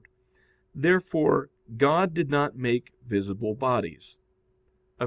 Therefore God did not make visible bodies. Obj.